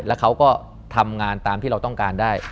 แล้วเขาก็ทำงานตามที่เราต้องการได้